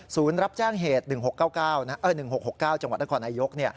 ศูนย์รับแจ้งเหตุ๑๖๖๙จังหวัดนครนายก